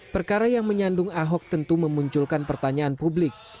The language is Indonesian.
perkara yang menyandung ahok tentu memunculkan pertanyaan publik